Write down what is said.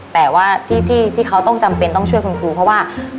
แต่ว่าที่เขาต้องจำเป็นต้องช่วยคุณครูเพราะว่า